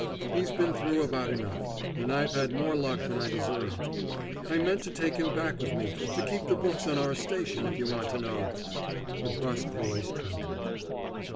He's been through about enough, and I've had more luck than I deserved. I meant to take him back with me, to keep the books on our station, if you want to know!" The brusk voice trembled.